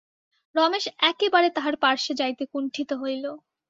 রমেশ একেবারে তাহার পার্শ্বে যাইতে কুণ্ঠিত হইল।